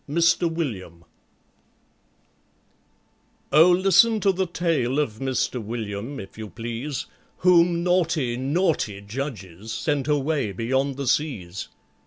MISTER WILLIAM OH, listen to the tale of MISTER WILLIAM, if you please, Whom naughty, naughty judges sent away beyond the seas.